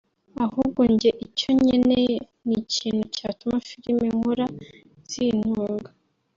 Ahubwo njye icyo nkeneye ni ikintu cyatuma filime nkora zintunga